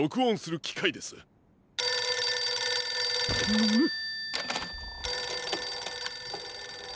☎ムムッ！